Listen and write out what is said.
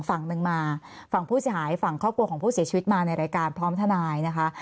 ฝั่งหนึ่งมาฝั่งผู้เสียหายฝั่งครอบครัวของผู้เสียชีวิตมาในรายการพร้อมทนายนะคะ